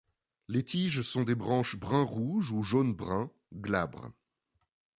Les tiges sont des branches brun-rouge ou jaune-brun, glabres.